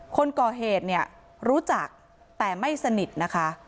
คนก่อเหตุเนี่ยรู้จักแต่ไม่สนิทนะคะ